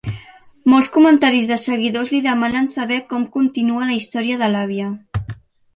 Molts comentaris de seguidors li demanen saber com continua la història de l'àvia.